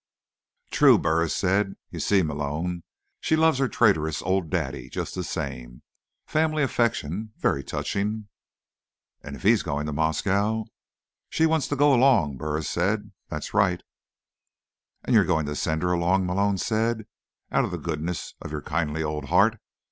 "True," Burris said. "You see, Malone, she loves her traitorous old daddy just the same. Family affection. Very touching." "And if he's going to Moscow—" "She wants to go along," Burris said. "That's right." "And you're going to send her along," Malone said, "out of the goodness of your kindly old heart.